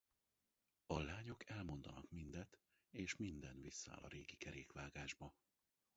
A lányok elmondanak mindet és minden vissza áll a régi kerékvágásba.